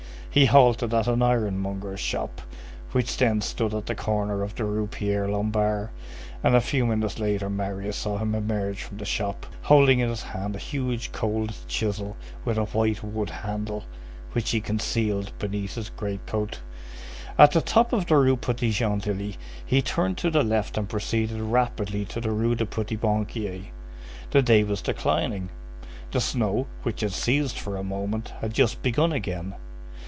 He halted at an ironmonger's shop, which then stood at the corner of the Rue Pierre Lombard, and a few minutes later Marius saw him emerge from the shop, holding in his hand a huge cold chisel with a white wood handle, which he concealed beneath his great coat. At the top of the Rue Petit Gentilly he turned to the left and proceeded rapidly to the Rue du Petit Banquier. The day was declining; the snow, which had ceased for a moment, had just begun again.